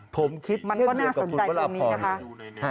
ผมคิดเพื่อนกับคุณบรรพรภัยใช่ไหมละมันก็น่าสนใจตรงนี้นะคะ